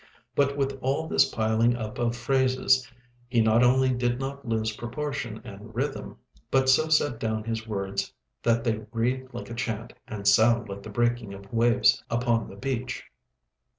But with all this piling up of phrases, he not only did not lose proportion and rhythm, but so set down his words that they read like a chant and sound like the breaking of waves upon the beach.